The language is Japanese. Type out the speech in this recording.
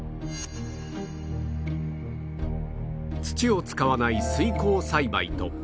土を使わない水耕栽培と